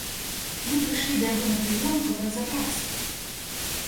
Мы прыйшлі да яго на прыём, каб разабрацца.